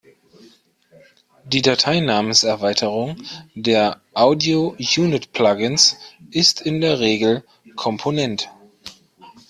Die Dateinamenserweiterung der Audio Unit Plugins ist in der Regel "component".